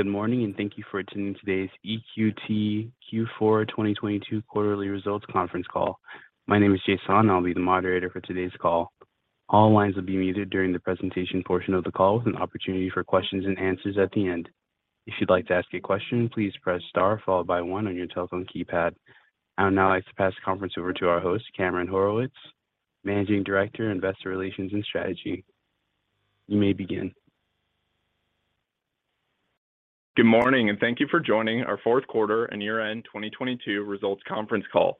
Good morning. Thank you for attending today's EQT Q4 2022 quarterly results conference call. My name is Jason. I'll be the moderator for today's call. All lines will be muted during the presentation portion of the call with an opportunity for questions and answers at the end. If you'd like to ask a question, please press star followed by one on your telephone keypad. I would now like to pass the conference over to our host, Cameron Horwitz, Managing Director, Investor Relations and Strategy. You may begin. Good morning, thank you for joining our fourth quarter and year-end 2022 results conference call.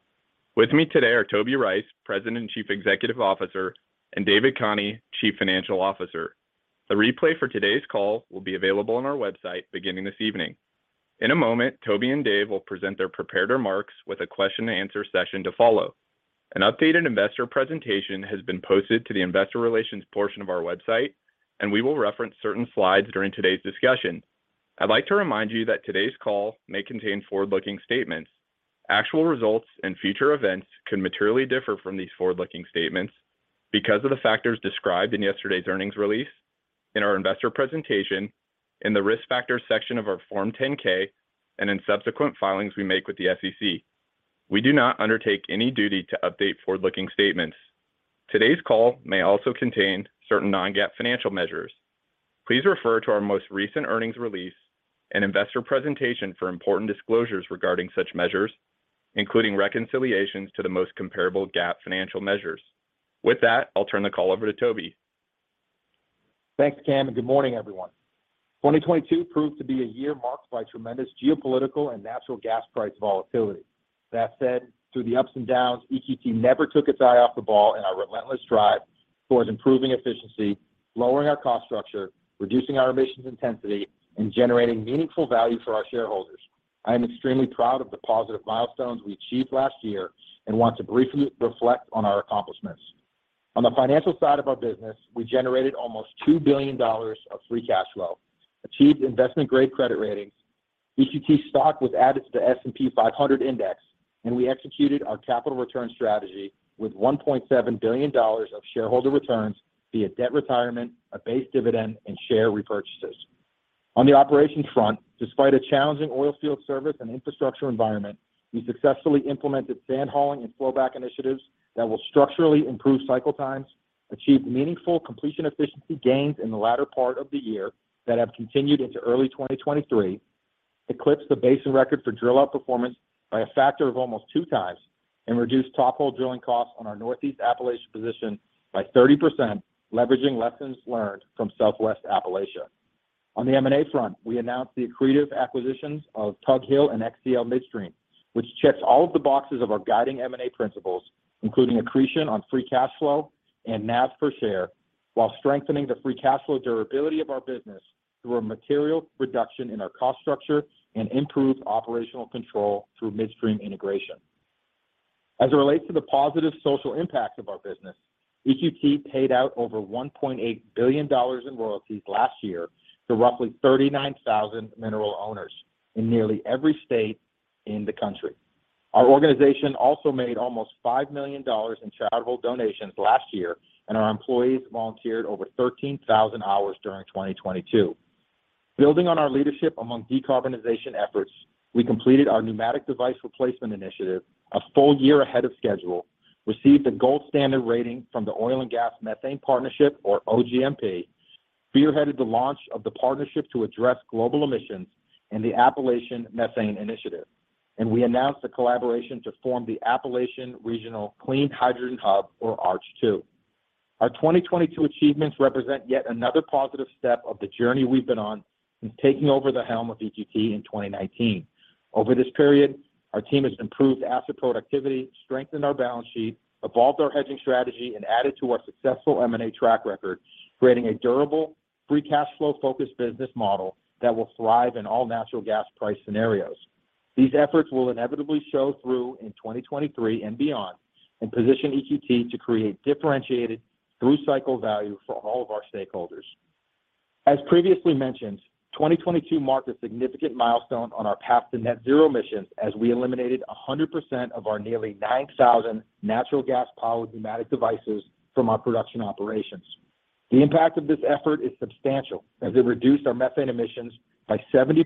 With me today are Toby Rice, President and Chief Executive Officer, and David Khani, Chief Financial Officer. The replay for today's call will be available on our website beginning this evening. In a moment, Toby and Dave will present their prepared remarks with a question and answer session to follow. An updated investor presentation has been posted to the investor relations portion of our website, we will reference certain slides during today's discussion. I'd like to remind you that today's call may contain forward-looking statements. Actual results and future events can materially differ from these forward-looking statements because of the factors described in yesterday's earnings release, in our investor presentation, in the Risk Factors section of our Form 10-K, and in subsequent filings we make with the SEC. We do not undertake any duty to update forward-looking statements. Today's call may also contain certain non-GAAP financial measures. Please refer to our most recent earnings release and investor presentation for important disclosures regarding such measures, including reconciliations to the most comparable GAAP financial measures. With that, I'll turn the call over to Toby. Thanks, Cam, and good morning, everyone. 2022 proved to be a year marked by tremendous geopolitical and natural gas price volatility. That said, through the ups and downs, EQT never took its eye off the ball in our relentless drive towards improving efficiency, lowering our cost structure, reducing our emissions intensity, and generating meaningful value for our shareholders. I am extremely proud of the positive milestones we achieved last year and want to briefly reflect on our accomplishments. On the financial side of our business, we generated almost $2 billion of free cash flow, achieved investment-grade credit ratings. EQT stock was added to the S&P 500 Index, and we executed our capital return strategy with $1.7 billion of shareholder returns via debt retirement, a base dividend, and share repurchases. On the operations front, despite a challenging oil field service and infrastructure environment, we successfully implemented sand hauling and flowback initiatives that will structurally improve cycle times, achieve meaningful completion efficiency gains in the latter part of the year that have continued into early 2023, eclipsed the basin record for drill out performance by a factor of almost two times, and reduced top hole drilling costs on our Northeast Appalachian position by 30%, leveraging lessons learned from Southwest Appalachia. On the M&A front, we announced the accretive acquisitions of Tug Hill and XcL Midstream, which checks all of the boxes of our guiding M&A principles, including accretion on free cash flow and NAVs per share, while strengthening the free cash flow durability of our business through a material reduction in our cost structure and improved operational control through midstream integration. As it relates to the positive social impact of our business, EQT paid out over $1.8 billion in royalties last year to roughly 39,000 mineral owners in nearly every state in the country. Our organization also made almost $5 million in charitable donations last year, and our employees volunteered over 13,000 hours during 2022. Building on our leadership among decarbonization efforts, we completed our pneumatic device replacement initiative a full year ahead of schedule, received a gold standard rating from the Oil and Gas Methane Partnership or OGMP, spearheaded the launch of the Partnership to Address Global Emissions and the Appalachian Methane Initiative, and we announced a collaboration to form the Appalachian Regional Clean Hydrogen Hub or ARCH2. Our 2022 achievements represent yet another positive step of the journey we've been on since taking over the helm of EQT in 2019. Over this period, our team has improved asset productivity, strengthened our balance sheet, evolved our hedging strategy, and added to our successful M&A track record, creating a durable, free cash flow-focused business model that will thrive in all natural gas price scenarios. These efforts will inevitably show through in 2023 and beyond and position EQT to create differentiated through-cycle value for all of our stakeholders. As previously mentioned, 2022 marked a significant milestone on our path to net zero emissions as we eliminated 100% of our nearly 9,000 natural gas-powered pneumatic devices from our production operations. The impact of this effort is substantial as it reduced our methane emissions by 70%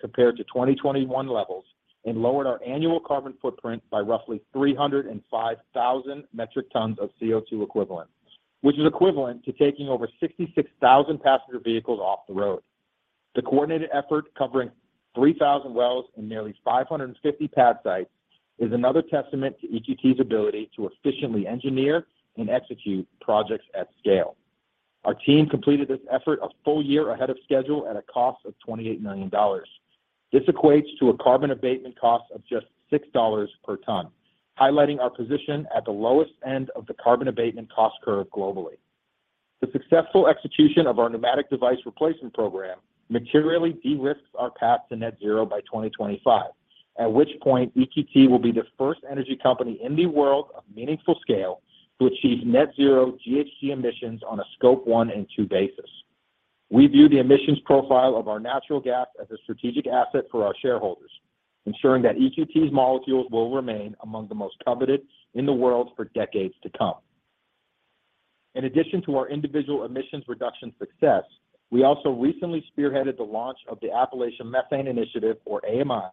compared to 2021 levels and lowered our annual carbon footprint by roughly 305,000 metric tons of CO₂ equivalent, which is equivalent to taking over 66,000 passenger vehicles off the road. The coordinated effort covering 3,000 wells and nearly 550 pad sites is another testament to EQT's ability to efficiently engineer and execute projects at scale. Our team completed this effort a full year ahead of schedule at a cost of $28 million. This equates to a carbon abatement cost of just $6 per ton, highlighting our position at the lowest end of the carbon abatement cost curve globally. The successful execution of our pneumatic device replacement program materially de-risks our path to net zero by 2025, at which point EQT will be the first energy company in the world of meaningful scale to achieve net zero GHG emissions on a scope 1 and 2 basis. We view the emissions profile of our natural gas as a strategic asset for our shareholders, ensuring that EQT's molecules will remain among the most coveted in the world for decades to come. In addition to our individual emissions reduction success, we also recently spearheaded the launch of the Appalachian Methane Initiative, or AMI,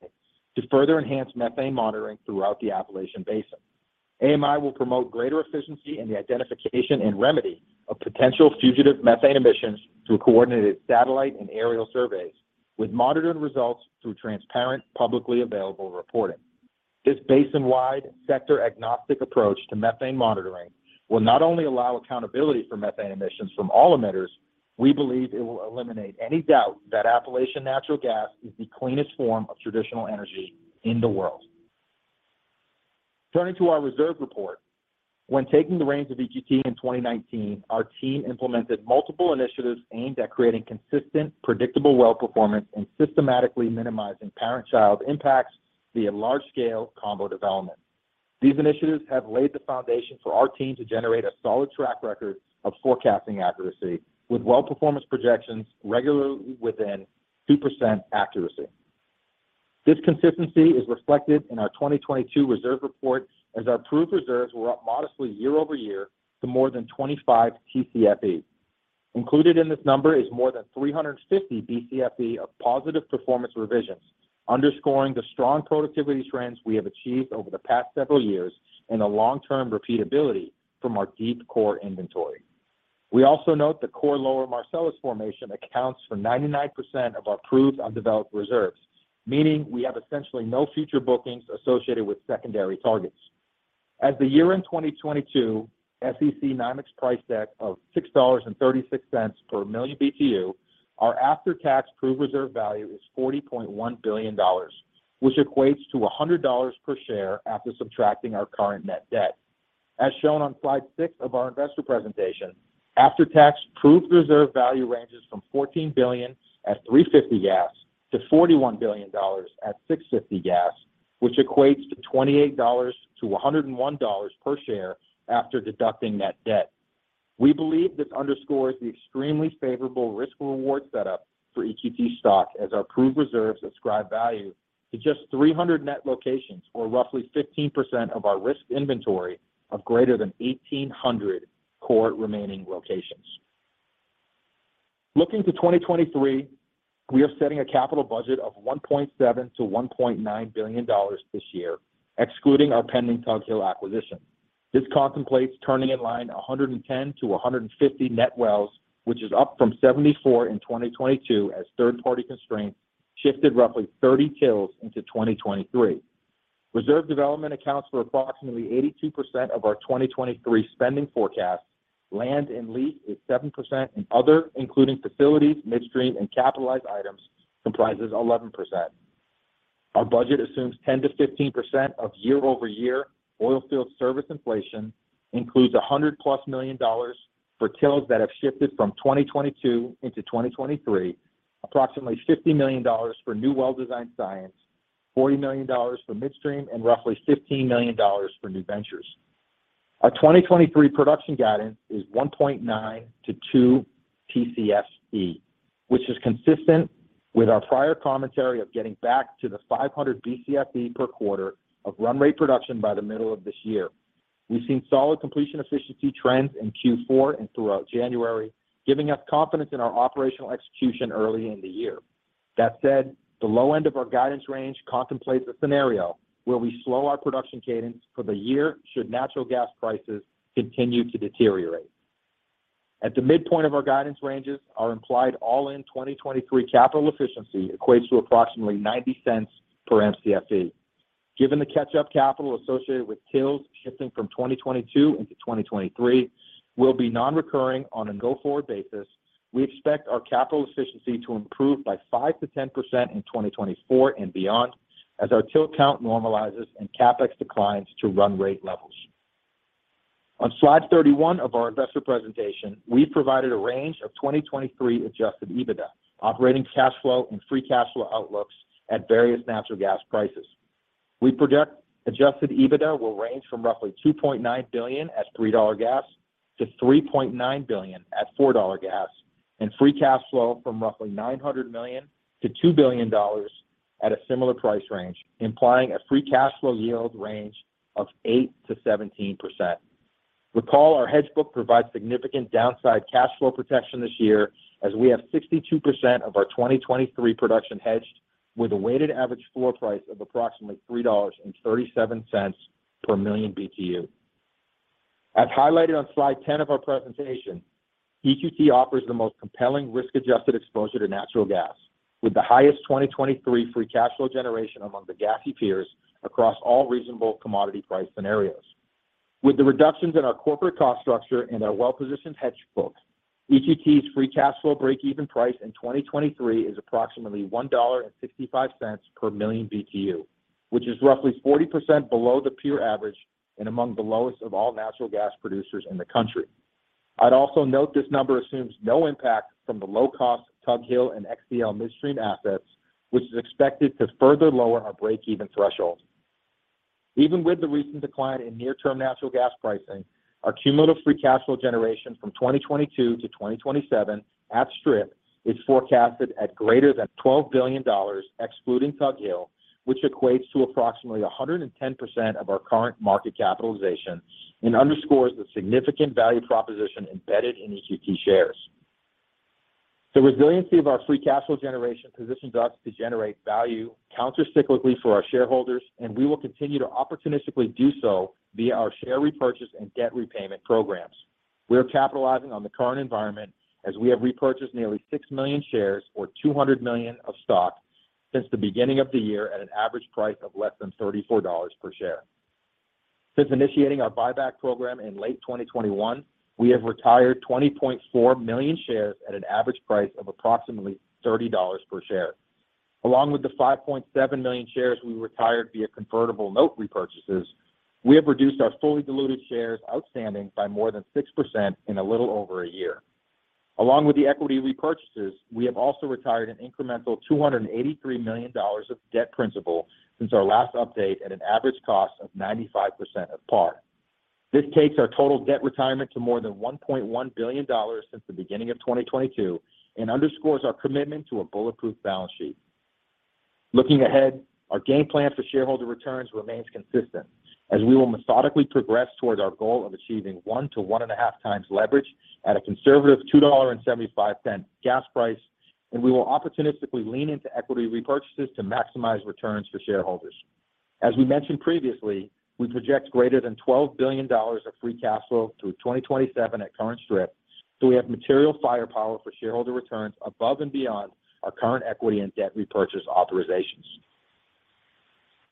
to further enhance methane monitoring throughout the Appalachian Basin. AMI will promote greater efficiency in the identification and remedy of potential fugitive methane emissions through coordinated satellite and aerial surveys, with monitored results through transparent, publicly available reporting. This basin-wide, sector-agnostic approach to methane monitoring will not only allow accountability for methane emissions from all emitters, we believe it will eliminate any doubt that Appalachian natural gas is the cleanest form of traditional energy in the world. Turning to our reserve report. When taking the reins of EQT in 2019, our team implemented multiple initiatives aimed at creating consistent, predictable well performance and systematically minimizing parent-child impacts via large-scale combo development. These initiatives have laid the foundation for our team to generate a solid track record of forecasting accuracy, with well performance projections regularly within 2% accuracy. This consistency is reflected in our 2022 reserve report as our proof reserves were up modestly year-over-year to more than 25 Tcfe. Included in this number is more than 350 Bcfe of positive performance revisions, underscoring the strong productivity trends we have achieved over the past several years and the long-term repeatability from our deep core inventory. We also note the core Lower Marcellus formation accounts for 99% of our proved undeveloped reserves, meaning we have essentially no future bookings associated with secondary targets. As the year-end 2022 SEC NYMEX price deck of $6.36 per MMBtu, our after-tax proved reserve value is $40.1 billion, which equates to $100 per share after subtracting our current net debt. As shown on slide six of our investor presentation, after-tax proved reserve value ranges from $14 billion at $3.50 gas to $41 billion at $6.50 gas, which equates to $28-$101 per share after deducting net debt. We believe this underscores the extremely favorable risk-reward setup for EQT stock as our proved reserves ascribe value to just 300 net locations, or roughly 15% of our risk inventory of greater than 1,800 core remaining locations. Looking to 2023, we are setting a capital budget of $1.7 billion-$1.9 billion this year, excluding our pending Tug Hill acquisition. This contemplates turning in line 110-150 net wells, which is up from 74 in 2022 as third-party constraints shifted roughly 30 tills into 2023. Reserve development accounts for approximately 82% of our 2023 spending forecast. Land and lease is 7% and other, including facilities, midstream, and capitalized items, comprises 11%. Our budget assumes 10%-15% of year-over-year oil field service inflation, includes $100+ million for tills that have shifted from 2022 into 2023, approximately $50 million for new well design science, $40 million for midstream, and roughly $15 million for new ventures. Our 2023 production guidance is 1.9-2 Tcfe, which is consistent with our prior commentary of getting back to the 500 Bcfe per quarter of run rate production by the middle of this year. We've seen solid completion efficiency trends in Q4 and throughout January, giving us confidence in our operational execution early in the year. The low end of our guidance range contemplates a scenario where we slow our production cadence for the year should natural gas prices continue to deteriorate. At the midpoint of our guidance ranges, our implied all-in 2023 capital efficiency equates to approximately $0.90 per Mcfe. Given the catch-up capital associated with tills shifting from 2022 into 2023 will be non-recurring on a go-forward basis, we expect our capital efficiency to improve by 5%-10% in 2024 and beyond as our till count normalizes and CapEx declines to run rate levels. On slide 31 of our investor presentation, we provided a range of 2023 adjusted EBITDA, operating cash flow, and free cash flow outlooks at various natural gas prices. We project adjusted EBITDA will range from roughly $2.9 billion at $3 gas to $3.9 billion at $4 gas, and free cash flow from roughly $900 million-$2 billion at a similar price range, implying a free cash flow yield range of 8%-17%. Recall our hedge book provides significant downside cash flow protection this year as we have 62% of our 2023 production hedged with a weighted average floor price of approximately $3.37 per MMBtu. As highlighted on slide 10 of our presentation, EQT offers the most compelling risk-adjusted exposure to natural gas, with the highest 2023 free cash flow generation among the gassy peers across all reasonable commodity price scenarios. With the reductions in our corporate cost structure and our well-positioned hedge book, EQT's free cash flow break-even price in 2023 is approximately $1.65 per MMBtu, which is roughly 40% below the peer average and among the lowest of all natural gas producers in the country. I'd also note this number assumes no impact from the low-cost Tug Hill and XcL Midstream assets, which is expected to further lower our break-even threshold. Even with the recent decline in near-term natural gas pricing, our cumulative free cash flow generation from 2022 to 2027 at Strip is forecasted at greater than $12 billion, excluding Tug Hill, which equates to approximately 110% of our current market capitalization and underscores the significant value proposition embedded in EQT shares. The resiliency of our free cash flow generation positions us to generate value counter-cyclically for our shareholders, and we will continue to opportunistically do so via our share repurchase and debt repayment programs. We are capitalizing on the current environment as we have repurchased nearly 6 million shares or $200 million of stock since the beginning of the year at an average price of less than $34 per share. Since initiating our buyback program in late 2021, we have retired 20.4 million shares at an average price of approximately $30 per share. Along with the 5.7 million shares we retired via convertible note repurchases, we have reduced our fully diluted shares outstanding by more than 6% in a little over a year. Along with the equity repurchases, we have also retired an incremental $283 million of debt principal since our last update at an average cost of 95% of par. This takes our total debt retirement to more than $1.1 billion since the beginning of 2022 and underscores our commitment to a bulletproof balance sheet. Looking ahead, our game plan for shareholder returns remains consistent as we will methodically progress towards our goal of achieving 1 to 1.5 times leverage at a conservative $2.75 gas price, and we will opportunistically lean into equity repurchases to maximize returns for shareholders. As we mentioned previously, we project greater than $12 billion of free cash flow through 2027 at current strip, so we have material firepower for shareholder returns above and beyond our current equity and debt repurchase authorizations.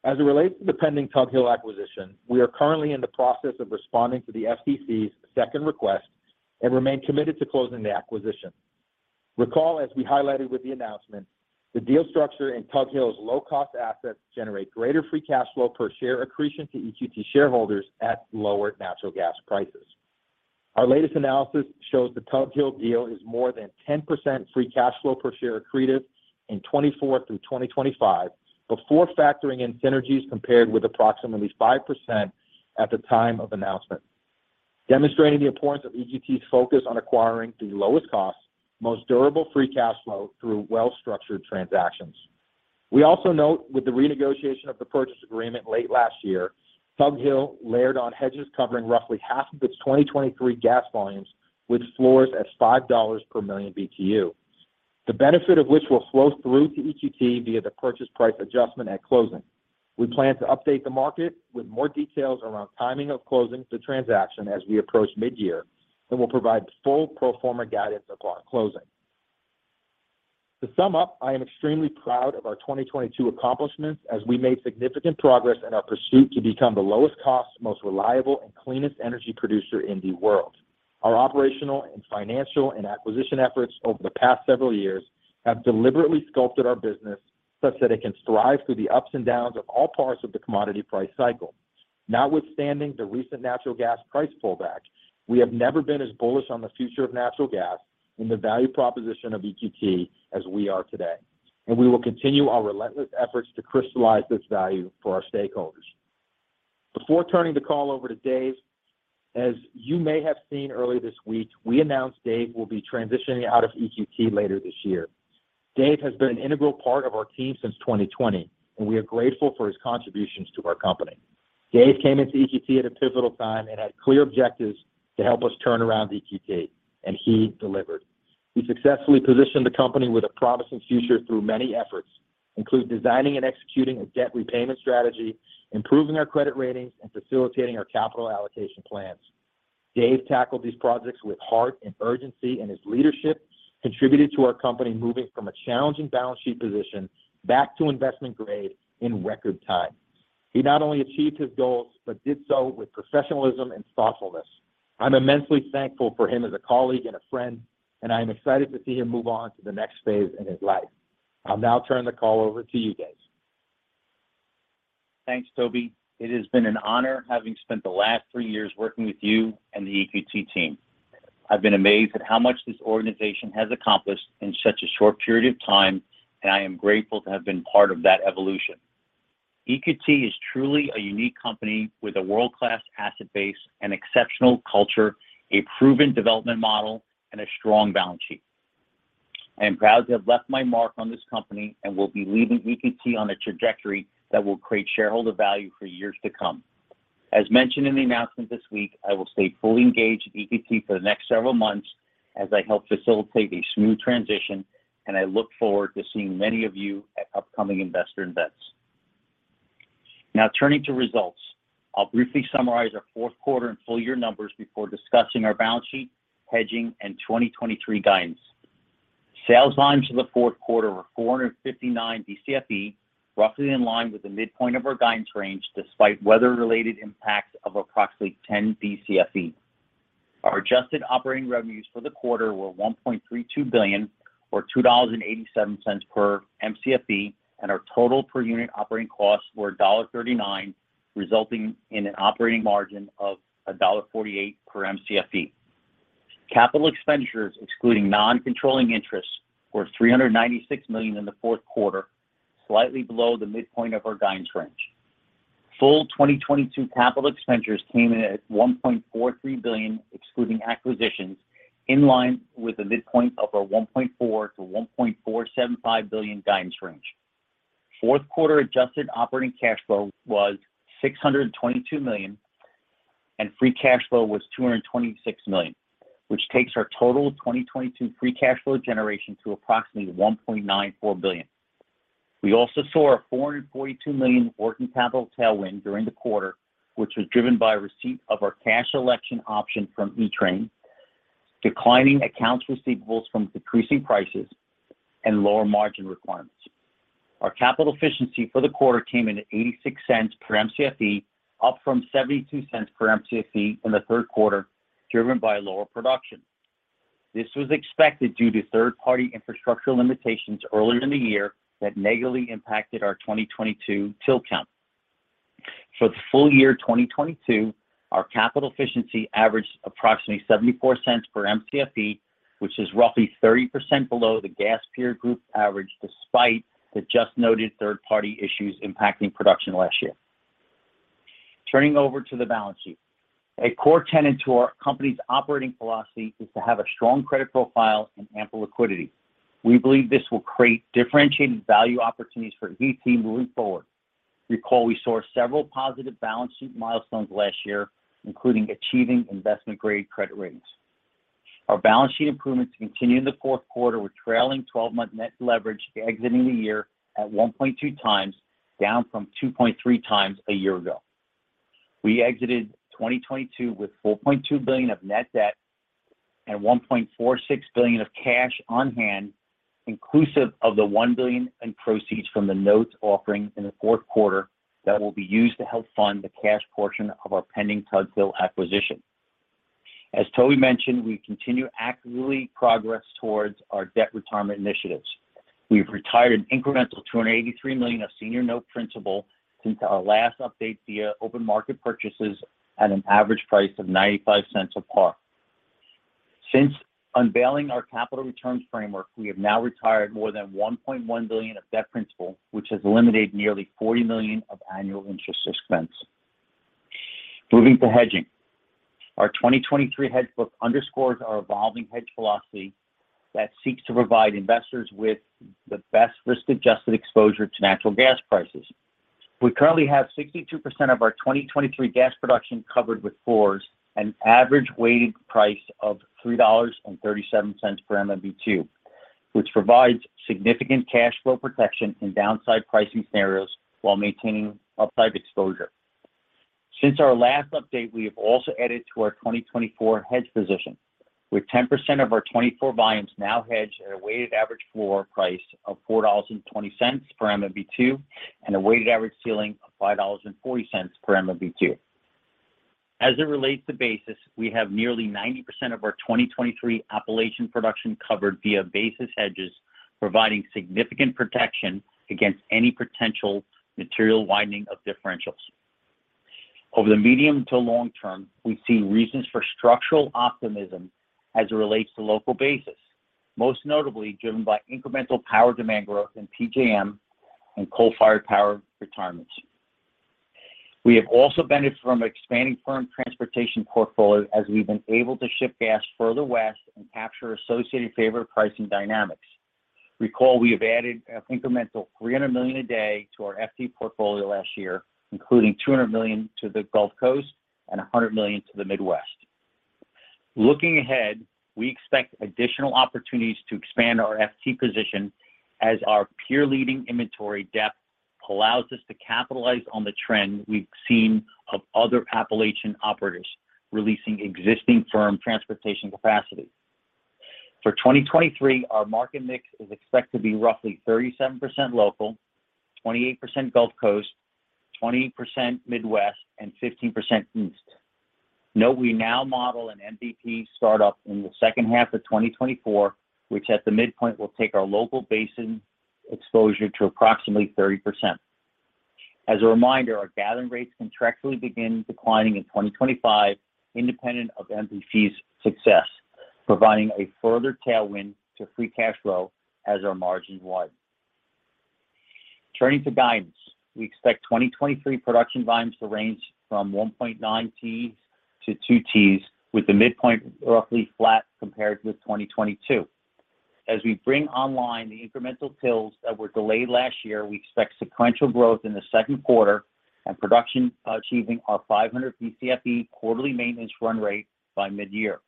As it relates to the pending Tug Hill acquisition, we are currently in the process of responding to the SEC's second request and remain committed to closing the acquisition. Recall, as we highlighted with the announcement, the deal structure in Tug Hill's low-cost assets generate greater free cash flow per share accretion to EQT shareholders at lower natural gas prices. Our latest analysis shows the Tug Hill deal is more than 10% free cash flow per share accretive in 2024 through 2025 before factoring in synergies compared with approximately 5% at the time of announcement. Demonstrating the importance of EQT's focus on acquiring the lowest cost, most durable free cash flow through well-structured transactions. We also note with the renegotiation of the purchase agreement late last year, Tug Hill layered on hedges covering roughly half of its 2023 gas volumes with floors at $5 per MMBtu. The benefit of which will flow through to EQT via the purchase price adjustment at closing. We plan to update the market with more details around timing of closing the transaction as we approach mid-year, and we'll provide full pro forma guidance upon closing. To sum up, I am extremely proud of our 2022 accomplishments as we made significant progress in our pursuit to become the lowest cost, most reliable and cleanest energy producer in the world. Our operational and financial and acquisition efforts over the past several years have deliberately sculpted our business such that it can thrive through the ups and downs of all parts of the commodity price cycle. Notwithstanding the recent natural gas price pullback, we have never been as bullish on the future of natural gas and the value proposition of EQT as we are today, and we will continue our relentless efforts to crystallize this value for our stakeholders. Before turning the call over to Dave, as you may have seen earlier this week, we announced Dave will be transitioning out of EQT later this year. Dave has been an integral part of our team since 2020, and we are grateful for his contributions to our company. Dave came into EQT at a pivotal time and had clear objectives to help us turn around EQT, and he delivered. He successfully positioned the company with a promising future through many efforts, including designing and executing a debt repayment strategy, improving our credit ratings, and facilitating our capital allocation plans. Dave tackled these projects with heart and urgency, and his leadership contributed to our company moving from a challenging balance sheet position back to investment grade in record time. He not only achieved his goals but did so with professionalism and thoughtfulness. I'm immensely thankful for him as a colleague and a friend, and I am excited to see him move on to the next phase in his life. I'll now turn the call over to you, Dave. Thanks, Toby. It has been an honor having spent the last three years working with you and the EQT team. I've been amazed at how much this organization has accomplished in such a short period of time, and I am grateful to have been part of that evolution. EQT is truly a unique company with a world-class asset base and exceptional culture, a proven development model, and a strong balance sheet. I am proud to have left my mark on this company and will be leaving EQT on a trajectory that will create shareholder value for years to come. As mentioned in the announcement this week, I will stay fully engaged at EQT for the next several months as I help facilitate a smooth transition, and I look forward to seeing many of you at upcoming investor events. Now turning to results, I'll briefly summarize our fourth quarter and full year numbers before discussing our balance sheet, hedging, and 2023 guidance. Sales volumes for the fourth quarter were 459 Bcfe, roughly in line with the midpoint of our guidance range, despite weather-related impacts of approximately 10 Bcfe. Our adjusted operating revenues for the quarter were $1.32 billion or $2.87 per Mcfe, and our total per-unit operating costs were $1.39, resulting in an operating margin of $1.48 per Mcfe. Capital expenditures, excluding non-controlling interests, were $396 million in the fourth quarter, slightly below the midpoint of our guidance range. Full 2022 capital expenditures came in at $1.43 billion excluding acquisitions in line with the midpoint of our $1.4 billion-$1.475 billion guidance range. Fourth quarter adjusted operating cash flow was $622 million, and free cash flow was $226 million, which takes our total 2022 free cash flow generation to approximately $1.94 billion. We also saw a $442 million working capital tailwind during the quarter, which was driven by receipt of our cash election option from E-Train, declining accounts receivables from decreasing prices, and lower margin requirements. Our capital efficiency for the quarter came in at $0.86 per Mcfe, up from $0.72 per Mcfe in the third quarter, driven by lower production. This was expected due to third-party infrastructure limitations earlier in the year that negatively impacted our 2022 till count. For the full year 2022, our capital efficiency averaged approximately $0.74 per Mcfe, which is roughly 30% below the gas peer group average, despite the just noted third-party issues impacting production last year. Turning over to the balance sheet. A core tenet to our company's operating philosophy is to have a strong credit profile and ample liquidity. We believe this will create differentiated value opportunities for EQT moving forward. Recall we saw several positive balance sheet milestones last year, including achieving investment grade credit ratings. Our balance sheet improvements continued in the fourth quarter, with trailing twelve-month net leverage exiting the year at 1.2x, down from 2.3x a year ago. We exited 2022 with $4.2 billion of net debt and $1.46 billion of cash on hand, inclusive of the $1 billion in proceeds from the notes offering in the fourth quarter that will be used to help fund the cash portion of our pending Tug Hill acquisition. As Toby mentioned, we continue to actively progress towards our debt retirement initiatives. We have retired an incremental $283 million of senior note principal since our last update via open market purchases at an average price of $0.95 of par. Since unveiling our capital returns framework, we have now retired more than $1.1 billion of debt principal, which has eliminated nearly $40 million of annual interest expense. Moving to hedging. Our 2023 hedge book underscores our evolving hedge philosophy that seeks to provide investors with the best risk-adjusted exposure to natural gas prices. We currently have 62% of our 2023 gas production covered with floors, an average weighted price of $3.37 per MMBtu, which provides significant cash flow protection in downside pricing scenarios while maintaining upside exposure. Since our last update, we have also added to our 2024 hedge position, with 10% of our 2024 volumes now hedged at a weighted average floor price of $4.20 per MMBtu and a weighted average ceiling of $5.40 per MMBtu. As it relates to basis, we have nearly 90% of our 2023 Appalachian production covered via basis hedges, providing significant protection against any potential material widening of differentials. Over the medium to long term, we see reasons for structural optimism as it relates to local basis, most notably driven by incremental power demand growth in PJM and coal-fired power retirements. We have also benefited from expanding firm transportation portfolio as we've been able to ship gas further west and capture associated favorite pricing dynamics. Recall, we have added an incremental $300 million a day to our FT portfolio last year, including $200 million to the Gulf Coast and $100 million to the Midwest. Looking ahead, we expect additional opportunities to expand our FT position as our peer-leading inventory depth allows us to capitalize on the trend we've seen of other Appalachian operators releasing existing firm transportation capacity. For 2023, our market mix is expected to be roughly 37% local, 28% Gulf Coast, 20% Midwest, and 15% East. Note we now model an MVP start-up in the second half of 2024, which at the midpoint will take our local basin exposure to approximately 30%. As a reminder, our gathering rates contractually begin declining in 2025, independent of MVP's success, providing a further tailwind to free cash flow as our margin widen. Turning to guidance. We expect 2023 production volumes to range from 1.9 Ts-2 Ts, with the midpoint roughly flat compared with 2022. As we bring online the incremental tills that were delayed last year, we expect sequential growth in the second quarter and production achieving our 500 Bcfe quarterly maintenance run rate by mid-year.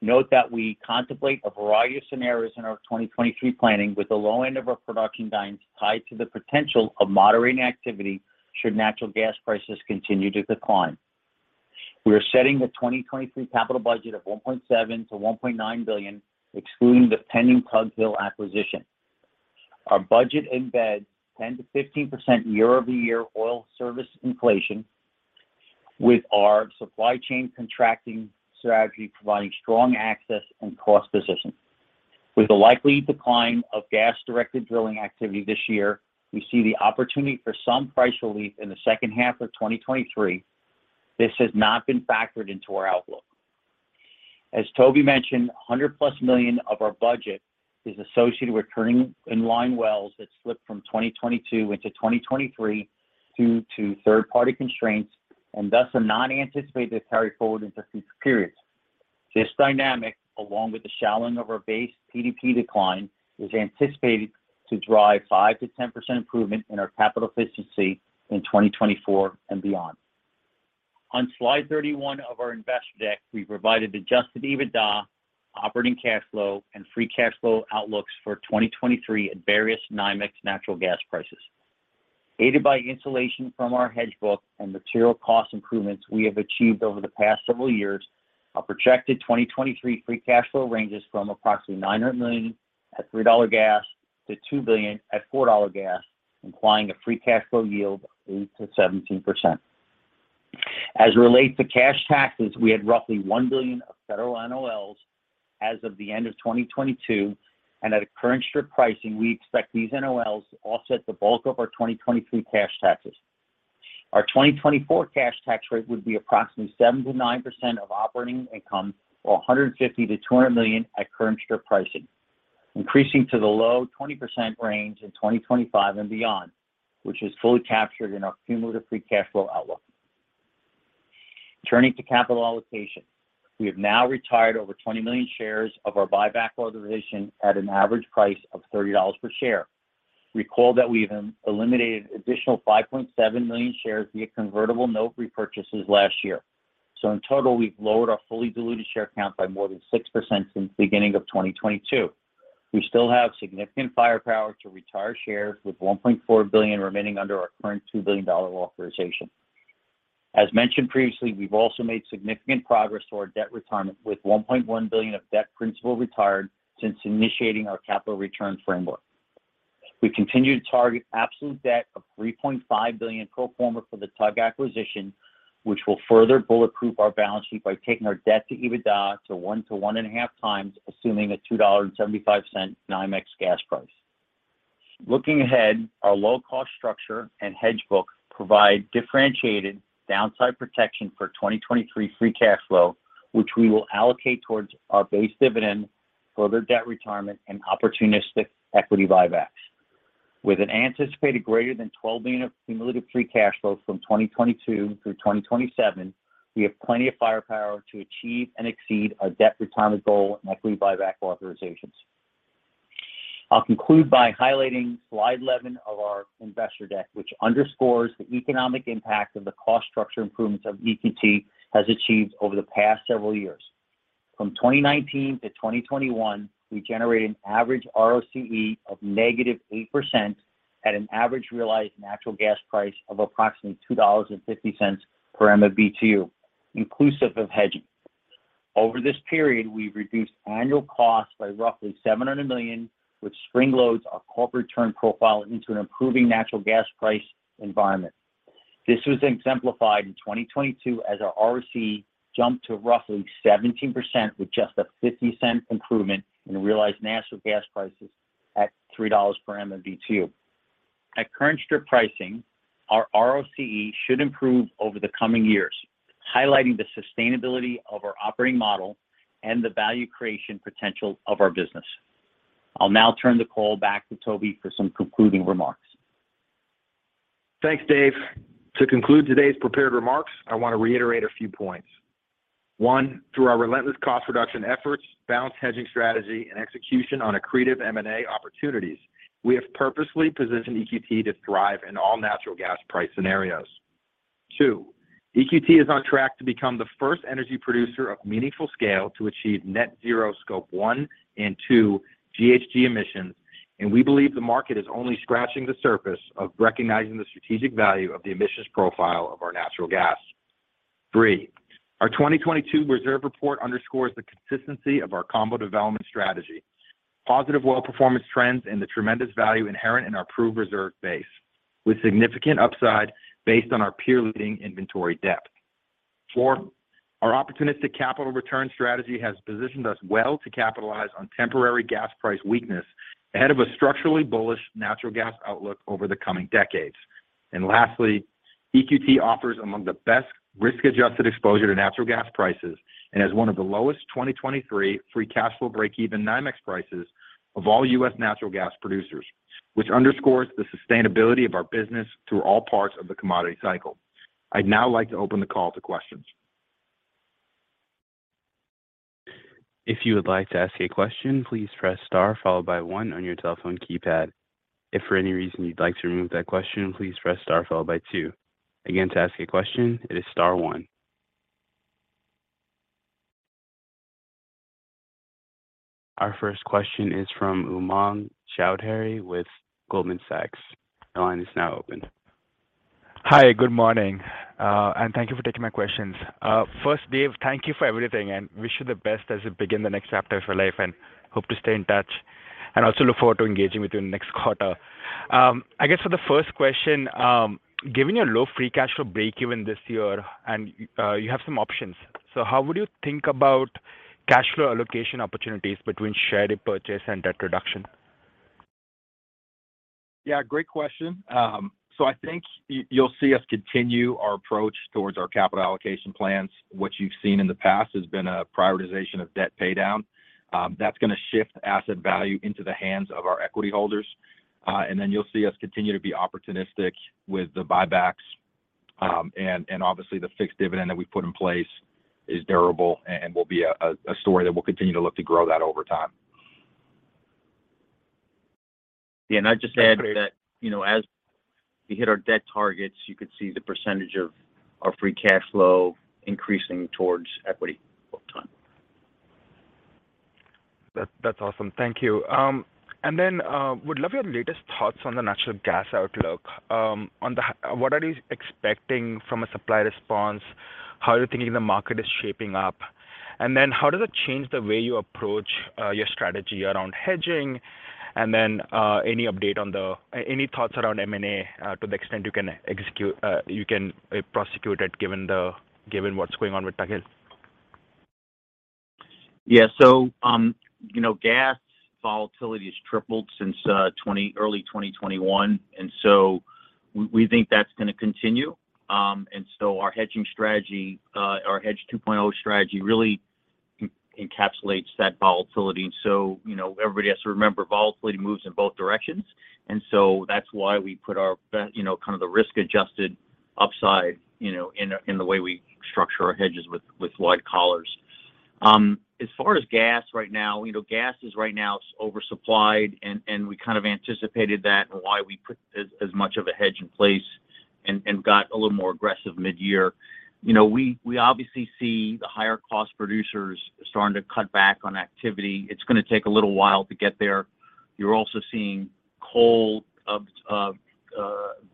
Note that we contemplate a variety of scenarios in our 2023 planning, with the low end of our production guidance tied to the potential of moderating activity should natural gas prices continue to decline. We are setting the 2023 capital budget of $1.7 billion-$1.9 billion, excluding the pending Tug Hill acquisition. Our budget embeds 10%-15% year-over-year oil service inflation, with our supply chain contracting strategy providing strong access and cost position. With the likely decline of gas-directed drilling activity this year, we see the opportunity for some price relief in the second half of 2023. This has not been factored into our outlook. As Toby mentioned, $100+ million of our budget is associated with turning in line wells that slipped from 2022 into 2023 due to third-party constraints and thus are not anticipated to carry forward into future periods. This dynamic, along with the shallowing of our base PDP decline, is anticipated to drive 5%-10% improvement in our capital efficiency in 2024 and beyond. On slide 31 of our investor deck, we provided adjusted EBITDA, operating cash flow, and free cash flow outlooks for 2023 at various NYMEX natural gas prices. Aided by insulation from our hedge book and material cost improvements we have achieved over the past several years, our projected 2023 free cash flow ranges from approximately $900 million at $3 gas to $2 billion at $4 gas, implying a free cash flow yield of 8%-17%. As it relates to cash taxes, we had roughly $1 billion of federal NOLs as of the end of 2022. At a current strip pricing, we expect these NOLs to offset the bulk of our 2023 cash taxes. Our 2024 cash tax rate would be approximately 7%-9% of operating income, or $150 million-$200 million at current strip pricing, increasing to the low 20% range in 2025 and beyond, which is fully captured in our cumulative free cash flow outlook. Turning to capital allocation, we have now retired over 20 million shares of our buyback authorization at an average price of $30 per share. Recall that we even eliminated additional 5.7 million shares via convertible note repurchases last year. In total, we've lowered our fully diluted share count by more than 6% since the beginning of 2022. We still have significant firepower to retire shares with $1.4 billion remaining under our current $2 billion authorization. As mentioned previously, we've also made significant progress to our debt retirement, with $1.1 billion of debt principal retired since initiating our capital return framework. We continue to target absolute debt of $3.5 billion pro forma for the Tug acquisition, which will further bulletproof our balance sheet by taking our debt to EBITDA to 1x-1.5x, assuming a $2.75 NYMEX gas price. Looking ahead, our low-cost structure and hedge book provide differentiated downside protection for 2023 free cash flow, which we will allocate towards our base dividend, further debt retirement, and opportunistic equity buybacks. With an anticipated greater than $12 billion of cumulative free cash flows from 2022 through 2027, we have plenty of firepower to achieve and exceed our debt retirement goal and equity buyback authorizations. I'll conclude by highlighting slide 11 of our investor deck, which underscores the economic impact of the cost structure improvements of EQT has achieved over the past several years. From 2019 to 2021, we generated an average ROCE of -8% at an average realized natural gas price of approximately $2.50 per MMBtu, inclusive of hedging. Over this period, we've reduced annual costs by roughly $700 million, which spring-loads our corporate return profile into an improving natural gas price environment. This was exemplified in 2022 as our ROCE jumped to roughly 17% with just a $0.50 improvement in realized natural gas prices at $3 per MMBtu. At current strip pricing, our ROCE should improve over the coming years, highlighting the sustainability of our operating model and the value creation potential of our business. I'll now turn the call back to Toby for some concluding remarks. Thanks, Dave. To conclude today's prepared remarks, I want to reiterate a few points. One, through our relentless cost reduction efforts, balanced hedging strategy, and execution on accretive M&A opportunities, we have purposefully positioned EQT to thrive in all natural gas price scenarios. Two, EQT is on track to become the first energy producer of meaningful scale to achieve net zero scope 1 and 2 GHG emissions, and we believe the market is only scratching the surface of recognizing the strategic value of the emissions profile of our natural gas. Three, our 2022 reserve report underscores the consistency of our combo development strategy, positive well performance trends, and the tremendous value inherent in our proved reserve base, with significant upside based on our peer-leading inventory depth. Four, our opportunistic capital return strategy has positioned us well to capitalize on temporary gas price weakness ahead of a structurally bullish natural gas outlook over the coming decades. Lastly, EQT offers among the best risk-adjusted exposure to natural gas prices and has one of the lowest 2023 free cash flow break even NYMEX prices of all U.S. natural gas producers, which underscores the sustainability of our business through all parts of the commodity cycle. I'd now like to open the call to questions. If you would like to ask a question, please press star followed by one on your telephone keypad. If for any reason you'd like to remove that question, please press star followed by two. Again, to ask a question, it is star one. Our first question is from Umang Choudhary with Goldman Sachs. Your line is now open. Hi, good morning, and thank you for taking my questions. First, Dave, thank you for everything, and wish you the best as you begin the next chapter of your life and hope to stay in touch, and also look forward to engaging with you in the next quarter. I guess for the first question, given your low free cash flow break even this year, you have some options. How would you think about cash flow allocation opportunities between share repurchase and debt reduction? Yeah, great question. I think you'll see us continue our approach towards our capital allocation plans. What you've seen in the past has been a prioritization of debt pay down. That's gonna shift asset value into the hands of our equity holders. You'll see us continue to be opportunistic with the buybacks, and obviously the fixed dividend that we put in place is durable and will be a story that we'll continue to look to grow that over time. Yeah. I'd just add that, you know, as we hit our debt targets, you could see the percentage of our free cash flow increasing towards EQT full time. That's awesome. Thank you. Then, would love your latest thoughts on the natural gas outlook, on the... What are you expecting from a supply response? How are you thinking the market is shaping up? Then how does it change the way you approach, your strategy around hedging? Then, any update on the... Any thoughts around M&A, to the extent you can execute, you can prosecute it given what's going on with Tug Hill? Yeah. You know, gas volatility has tripled since early 2021, we think that's gonna continue. Our hedging strategy, our hedge 2.0 strategy really encapsulates that volatility. You know, everybody has to remember volatility moves in both directions. That's why we put our you know, kind of the risk-adjusted upside, you know, in the way we structure our hedges with wide collars. As far as gas right now, you know, gas is right now oversupplied and we kind of anticipated that and why we put as much of a hedge in place and got a little more aggressive midyear. You know, we obviously see the higher cost producers starting to cut back on activity. It's gonna take a little while to get there. You're also seeing coal of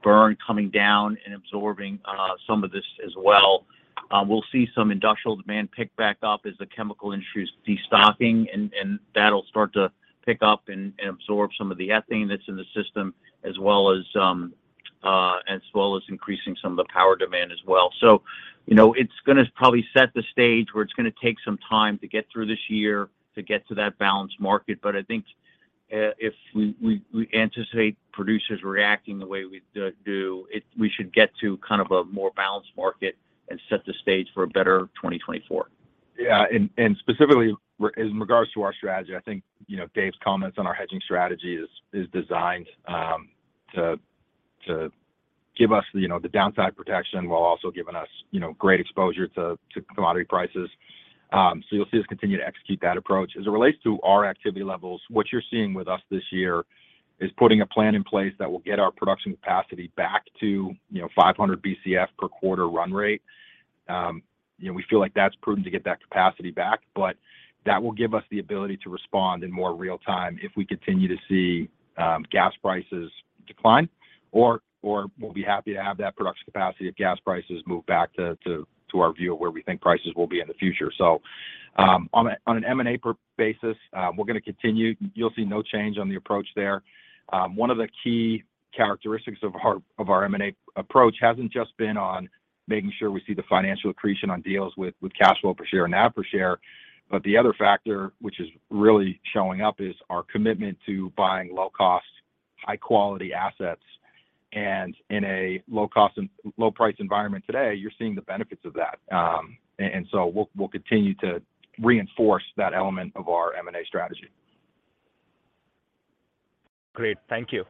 burn coming down and absorbing some of this as well. We'll see some industrial demand pick back up as the chemical industry is destocking and that'll start to pick up and absorb some of the ethane that's in the system as well as increasing some of the power demand as well. You know, it's gonna probably set the stage where it's gonna take some time to get through this year to get to that balanced market. I think, if we anticipate producers reacting the way we do, we should get to kind of a more balanced market and set the stage for a better 2024. Yeah. Specifically as in regards to our strategy, I think, you know, Dave's comments on our hedging strategy is designed to give us the, you know, the downside protection while also giving us, you know, great exposure to commodity prices. You'll see us continue to execute that approach. As it relates to our activity levels, what you're seeing with us this year is putting a plan in place that will get our production capacity back to, you know, 500 Bcf per quarter run rate. You know, we feel like that's prudent to get that capacity back, but that will give us the ability to respond in more real-time if we continue to see gas prices decline or we'll be happy to have that production capacity if gas prices move back to our view of where we think prices will be in the future. On a, on an M&A per basis, we're gonna continue. You'll see no change on the approach there. One of the key characteristics of our, of our M&A approach hasn't just been on making sure we see the financial accretion on deals with cash flow per share and NAV per share, but the other factor which is really showing up is our commitment to buying low cost, high quality assets. In a low cost low price environment today, you're seeing the benefits of that. We'll continue to reinforce that element of our M&A strategy. Great. Thank you.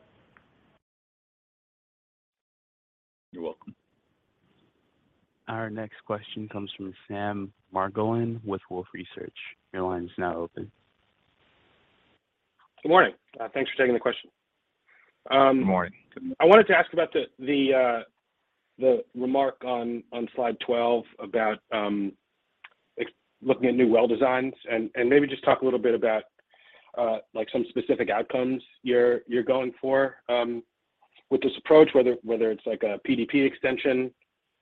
You're welcome. Our next question comes from Sam Margolin with Wolfe Research. Your line is now open. Good morning. Thanks for taking the question. Good morning. I wanted to ask about the remark on slide 12 about looking at new well designs and maybe just talk a little bit about like some specific outcomes you're going for with this approach, whether it's like a PDP extension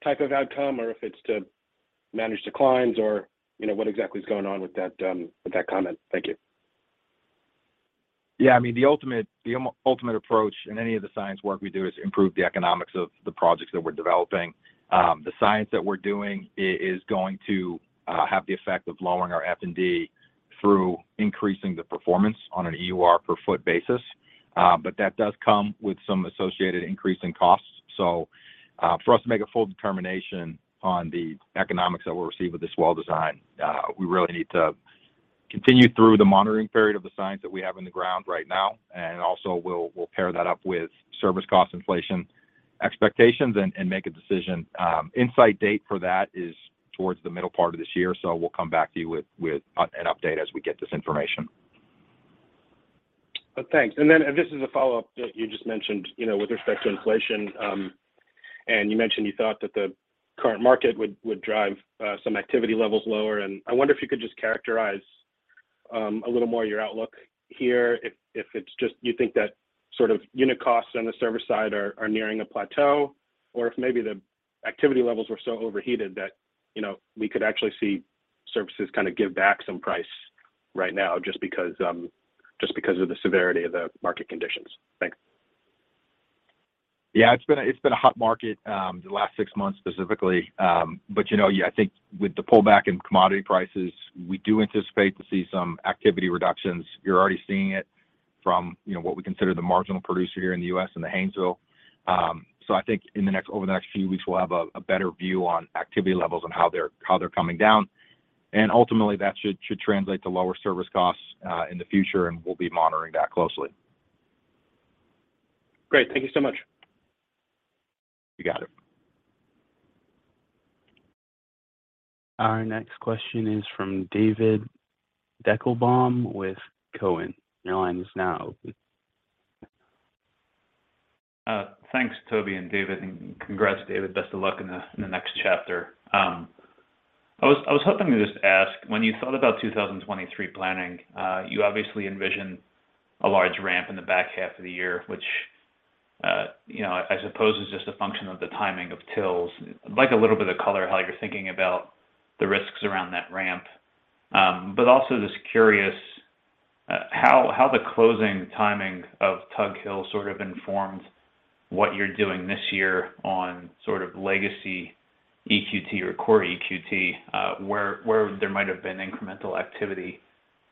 type of outcome or if it's to manage declines or, you know, what exactly is going on with that with that comment. Thank you. I mean, the ultimate approach in any of the science work we do is improve the economics of the projects that we're developing. The science that we're doing is going to have the effect of lowering our F&D through increasing the performance on an EUR per foot basis, but that does come with some associated increase in costs. For us to make a full determination on the economics that we'll receive with this well design, we really need to continue through the monitoring period of the science that we have in the ground right now. Also we'll pair that up with service cost inflation expectations and make a decision. Insight date for that is towards the middle part of this year, we'll come back to you with an update as we get this information. Thanks. This is a follow-up that you just mentioned, you know, with respect to inflation, and you mentioned you thought that the current market would drive some activity levels lower. I wonder if you could just characterize a little more your outlook here if it's just you think that sort of unit costs on the service side are nearing a plateau or if maybe the activity levels were so overheated that, you know, we could actually see services kind of give back some price right now just because of the severity of the market conditions. Thanks. It's been a hot market, the last six months specifically. You know, yeah, I think with the pullback in commodity prices, we do anticipate to see some activity reductions. You're already seeing it from, you know, what we consider the marginal producer here in the U.S. and the Haynesville. I think over the next few weeks, we'll have a better view on activity levels and how they're coming down. Ultimately, that should translate to lower service costs, in the future, and we'll be monitoring that closely. Great. Thank you so much. You got it. Our next question is from David Deckelbaum with Cowen. Your line is now open. Thanks, Toby and David. Congrats, David. Best of luck in the next chapter. I was hoping to just ask, when you thought about 2023 planning, you obviously envisioned a large ramp in the back half of the year, which, you know, I suppose is just a function of the timing of tills. I'd like a little bit of color how you're thinking about the risks around that ramp. Also just curious, how the closing timing of Tug Hill sort of informed what you're doing this year on sort of legacy EQT or core EQT, where there might have been incremental activity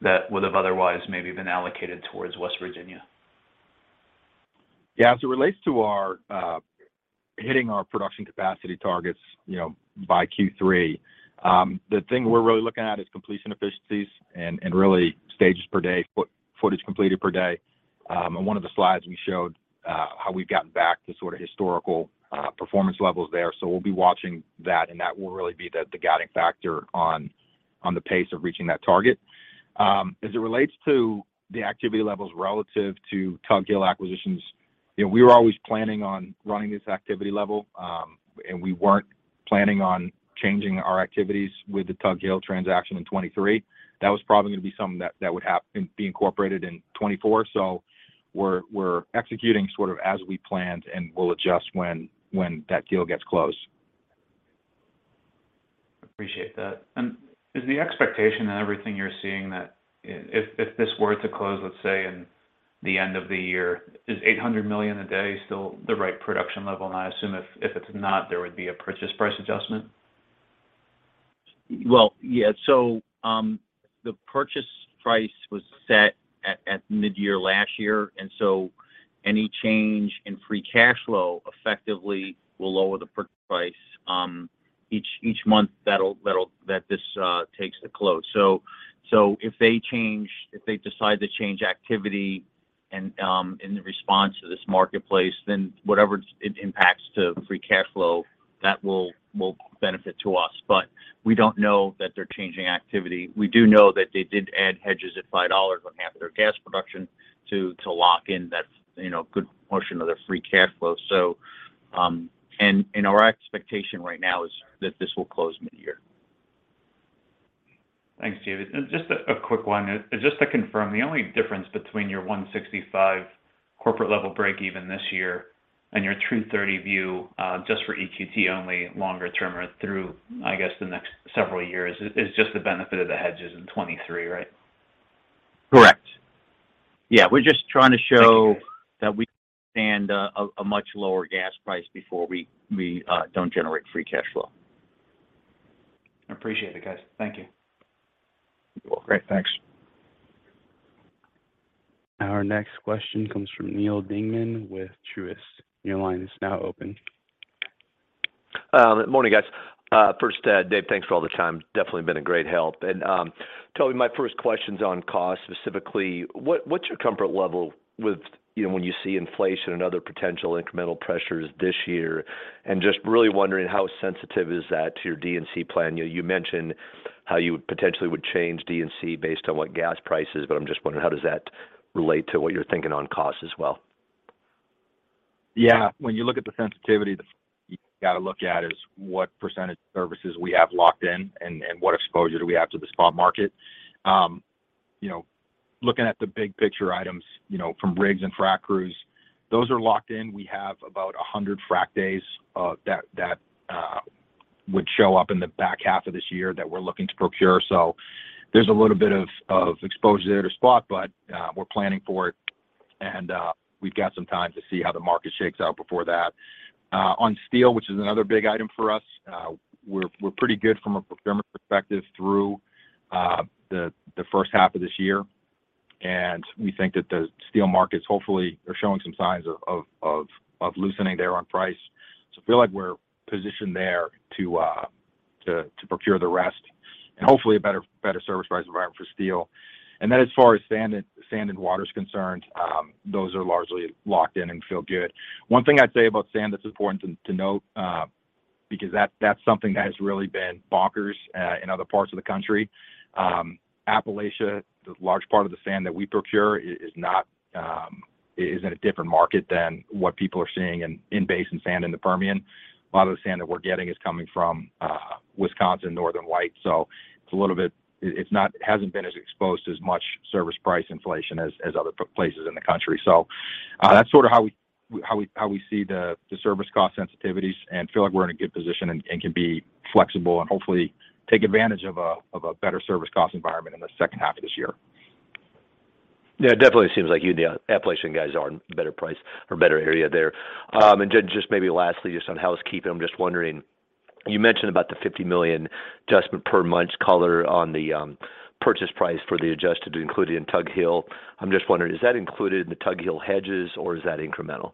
that would have otherwise maybe been allocated towards West Virginia. As it relates to our hitting our production capacity targets, you know, by Q3, the thing we're really looking at is completion efficiencies and really stages per day, footage completed per day, and one of the slides we showed how we've gotten back to sort of historical performance levels there. We'll be watching that, and that will really be the guiding factor on the pace of reaching that target. As it relates to the activity levels relative to Tug Hill acquisitions, you know, we were always planning on running this activity level, and we weren't planning on changing our activities with the Tug Hill transaction in 2023. That was probably gonna be something that would have and be incorporated in 2024. We're executing sort of as we planned, and we'll adjust when that deal gets closed. Appreciate that. Is the expectation in everything you're seeing that if this were to close, let's say in the end of the year, is 800 million a day still the right production level? I assume if it's not, there would be a purchase price adjustment. Well, yeah. The purchase price was set at mid-year last year. Any change in free cash flow effectively will lower the purchase price each month that'll take to close. If they decide to change activity in the response to this marketplace, then whatever it impacts to free cash flow, that will benefit to us. We don't know that they're changing activity. We do know that they did add hedges at $5 on half of their gas production to lock in that, you know, good portion of their free cash flow, and our expectation right now is that this will close mid-year. Thanks, David. Just a quick one. Just to confirm, the only difference between your $165 corporate level break even this year and your $30 view, just for EQT only longer term or through, I guess, the next several years is just the benefit of the hedges in 2023, right? Correct. Yeah. We're just trying to show-. Thank you, guys. that we stand a much lower gas price before we don't generate free cash flow. I appreciate it, guys. Thank you. You're welcome. Great. Thanks. Our next question comes from Neal Dingmann with Truist. Your line is now open. Good morning, guys. First, Dave, thanks for all the time. Definitely been a great help. Toby, my first question's on cost. Specifically, what's your comfort level with, you know, when you see inflation and other potential incremental pressures this year? Just really wondering how sensitive is that to your D&C plan. You mentioned how you potentially would change D&C based on what gas price is, but I'm just wondering how does that relate to what you're thinking on cost as well? When you look at the sensitivity, you gotta look at is what percentage services we have locked in and what exposure do we have to the spot market. You know, looking at the big picture items, you know, from rigs and frac crews, those are locked in. We have about 100 frac days that would show up in the back half of this year that we're looking to procure. There's a little bit of exposure there to spot, but we're planning for it and we've got some time to see how the market shakes out before that. On steel, which is another big item for us, we're pretty good from a procurement perspective through the first half of this year, and we think that the steel markets hopefully are showing some signs of loosening there on price. I feel like we're positioned there to procure the rest and hopefully a better service price environment for steel. Then as far as sand and water is concerned, those are largely locked in and feel good. One thing I'd say about sand that's important to note, because that's something that has really been bonkers in other parts of the country. Appalachia, the large part of the sand that we procure is not, is in a different market than what people are seeing in basin sand in the Permian. A lot of the sand that we're getting is coming from Wisconsin Northern White. It's a little bit. It hasn't been as exposed as much service price inflation as other places in the country. That's sort of how we see the service cost sensitivities and feel like we're in a good position and can be flexible and hopefully take advantage of a better service cost environment in the second half of this year. Yeah, it definitely seems like you and the Appalachian guys are in a better price or better area there. Just maybe lastly, just on housekeeping, I'm just wondering, you mentioned about the $50 million adjustment per month color on the purchase price for the adjusted included in Tug Hill. I'm just wondering, is that included in the Tug Hill hedges or is that incremental?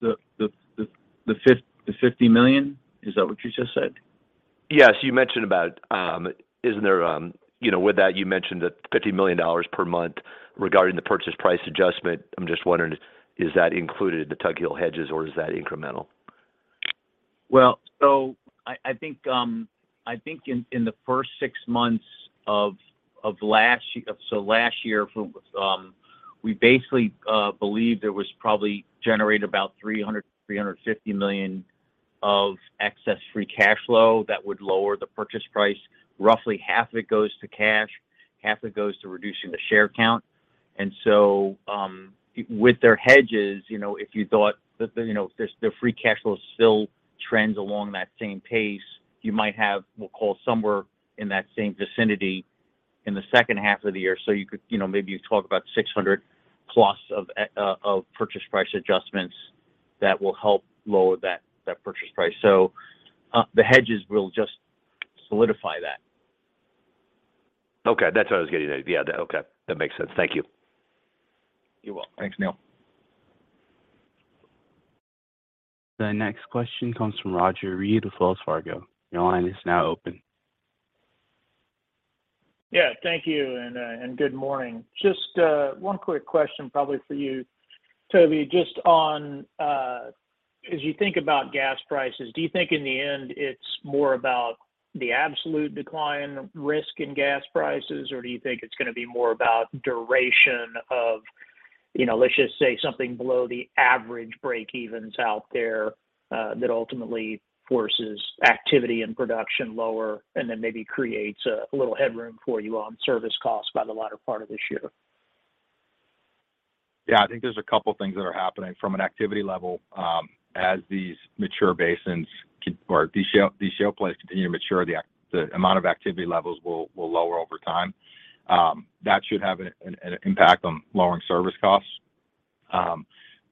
The $50 million? Is that what you just said? Yes. You know, with that, you mentioned that $50 million per month regarding the purchase price adjustment. I'm just wondering, is that included in the Tug Hill hedges or is that incremental? I think in the first six months of last year. Last year from, we basically believed there was probably generated about $300 million-$350 million of excess free cash flow that would lower the purchase price. Roughly half of it goes to cash, half of it goes to reducing the share count. With their hedges, you know, if you thought that, you know, if the free cash flow still trends along that same pace, you might have, we'll call somewhere in that same vicinity in the second half of the year. You could, you know, maybe you talk about $600+ of purchase price adjustments that will help lower that purchase price. The hedges will just solidify that. Okay. That's what I was getting at. Yeah. Okay. That makes sense. Thank you. You're welcome. Thanks, Neal. The next question comes from Roger Read with Wells Fargo. Your line is now open. Thank you and good morning. Just one quick question probably for you, Toby. Just on as you think about gas prices, do you think in the end it's more about the absolute decline risk in gas prices, or do you think it's gonna be more about duration of, you know, let's just say something below the average break-evens out there, that ultimately forces activity and production lower, and then maybe creates a little headroom for you on service costs by the latter part of this year? Yeah. I think there's a couple things that are happening from an activity level. As these mature basins or these shale plays continue to mature, the amount of activity levels will lower over time. That should have an impact on lowering service costs.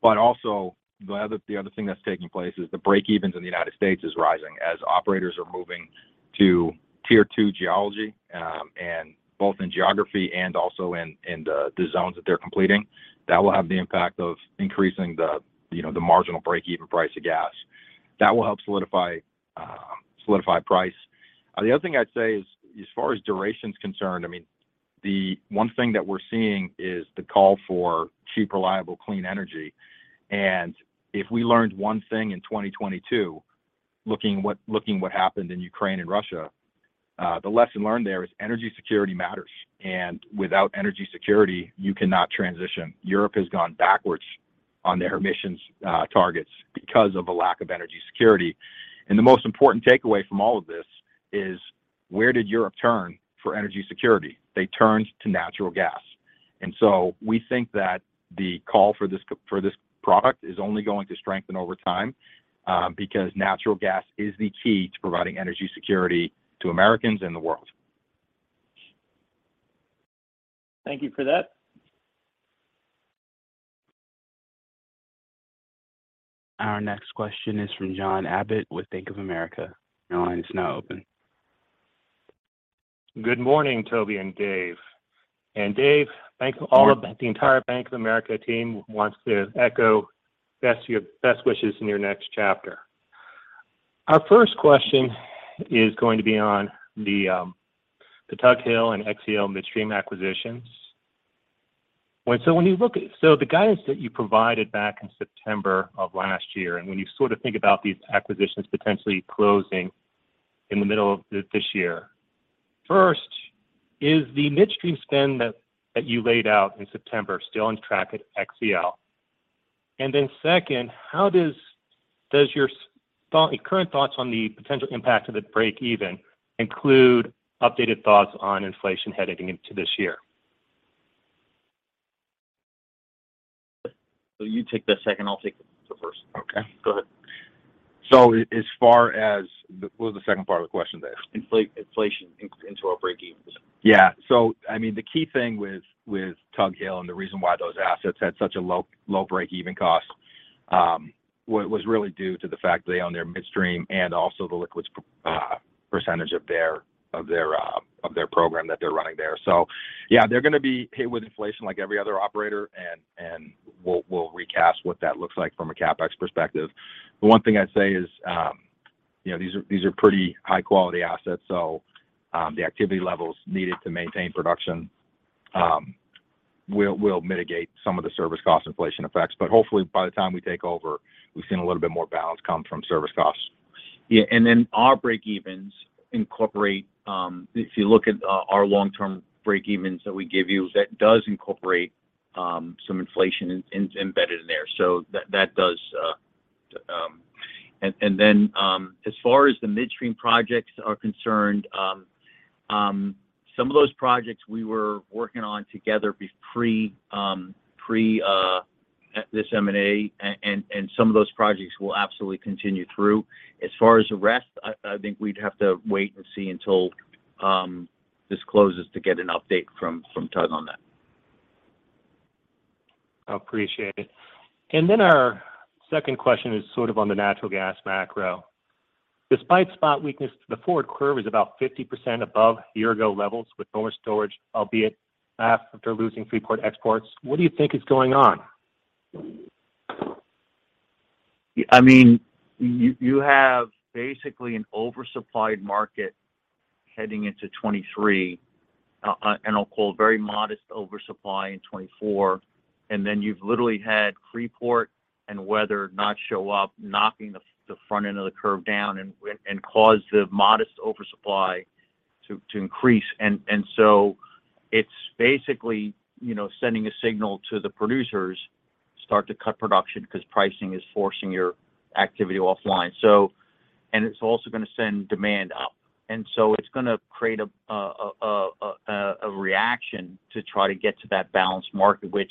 Also the other thing that's taking place is the break-evens in the United States is rising as operators are moving to Tier Two geology, and both in geography and also in the zones that they're completing. That will have the impact of increasing the, you know, the marginal break-even price of gas. That will help solidify solidify price. The other thing I'd say is as far as duration's concerned, I mean, the one thing that we're seeing is the call for cheap, reliable, clean energy. If we learned one thing in 2022, looking what happened in Ukraine and Russia, the lesson learned there is energy security matters. Without energy security, you cannot transition. Europe has gone backwards on their emissions targets because of a lack of energy security. The most important takeaway from all of this is where did Europe turn for energy security? They turned to natural gas. We think that the call for this product is only going to strengthen over time because natural gas is the key to providing energy security to Americans and the world. Thank you for that. Our next question is from John Abbott with Bank of America. Your line is now open. Good morning, Toby and Dave. Dave, thanks to. Good morning. ...the entire Bank of America team wants to echo best your best wishes in your next chapter. Our first question is going to be on the Tug Hill and XcL Midstream acquisitions. When you look at the guidance that you provided back in September of last year, and when you sort of think about these acquisitions potentially closing in the middle of this year, first, is the midstream spend that you laid out in September still on track at XcL? Second, how does your current thoughts on the potential impact of the break even include updated thoughts on inflation heading into this year? You take the second, I'll take the first. Okay. Go ahead. As far as, what was the second part of the question there? Inflation into our break-evens. Yeah. I mean, the key thing with Tug Hill and the reason why those assets had such a low break-even cost was really due to the fact they own their midstream and also the liquids percentage of their program that they're running there. Yeah, they're gonna be hit with inflation like every other operator and we'll recast what that looks like from a CapEx perspective. The one thing I'd say is, you know, these are pretty high quality assets, so the activity levels needed to maintain production will mitigate some of the service cost inflation effects. Hopefully by the time we take over, we've seen a little bit more balance come from service costs. Yeah. Then our break-evens incorporate, if you look at our long-term break-evens that we give you, that does incorporate some inflation in embedded in there. That does. Then, as far as the midstream projects are concerned, some of those projects we were working on together At this M&A. Some of those projects will absolutely continue through. As far as the rest, I think we'd have to wait and see until this closes to get an update from Tug on that. I appreciate it. Our second question is sort of on the natural gas macro. Despite spot weakness, the forward curve is about 50% above year-ago levels with normal storage, albeit half after losing Freeport exports. What do you think is going on? Yeah, I mean, you have basically an oversupplied market heading into 2023, and I'll call very modest oversupply in 2024. Then you've literally had Freeport and weather not show up, knocking the front end of the curve down and caused the modest oversupply to increase. So it's basically, you know, sending a signal to the producers, start to cut production because pricing is forcing your activity offline. It's also gonna send demand up. So it's gonna create a reaction to try to get to that balanced market, which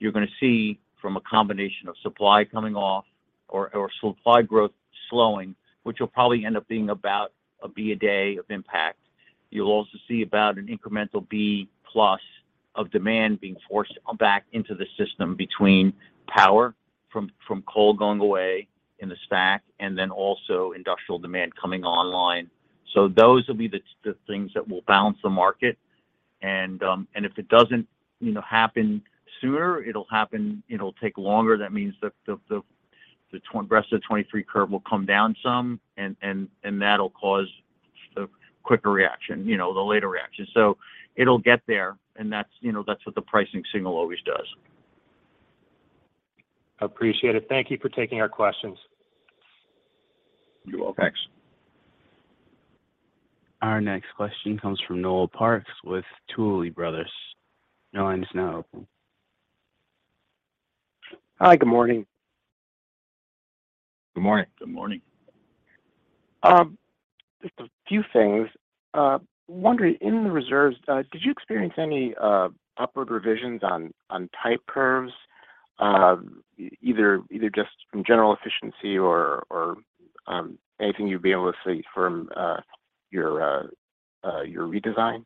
you're gonna see from a combination of supply coming off or supply growth slowing, which will probably end up being about a Bcf a day of impact. You'll also see about an incremental B plus of demand being forced back into the system between power from coal going away in the stack and then also industrial demand coming online. Those will be the things that will balance the market. If it doesn't, you know, happen sooner, It'll take longer. That means the rest of the 2023 curve will come down some and that'll cause a quicker reaction, you know, the later reaction. It'll get there, and that's, you know, that's what the pricing signal always does. Appreciate it. Thank you for taking our questions. You're welcome. Thanks. Our next question comes from Noel Parks with Tuohy Brothers. Your line is now open. Hi, good morning. Good morning. Good morning. Just a few things. Wondering in the reserves, did you experience any upward revisions on type curves, either just from general efficiency or anything you'd be able to see from your redesign?